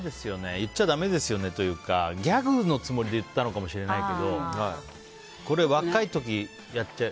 言っちゃだめですよねというかギャグのつもりで言ったのかもしれないけどこれ若い時やっちゃう。